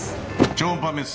超音波メス。